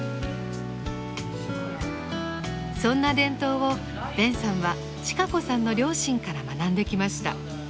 そんな伝統をベンさんは智香子さんの両親から学んできました。